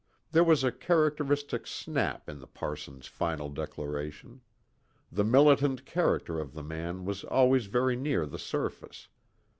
There was a characteristic snap in the parson's final declaration. The militant character of the man was always very near the surface.